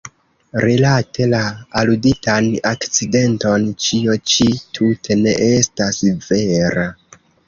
Rilate la aluditan akcidenton ĉio ĉi tute ne estas vera.